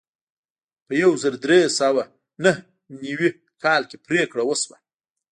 په یو زر درې سوه نهه نوي کال کې پریکړه وشوه.